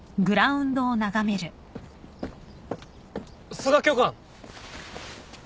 須賀教官！